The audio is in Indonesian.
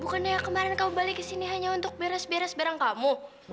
bukannya kemarin kamu balik kesini hanya untuk beres beres barang kamu